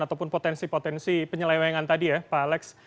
ataupun potensi potensi penyelewengan tadi ya pak alex